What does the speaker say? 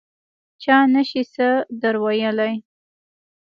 چا نه شي څه در ویلای.